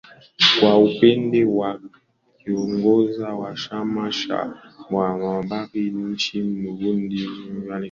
kwa upande wake kiongozi wa chama cha wanahabari nchini burundi ibichi alexander niyubiko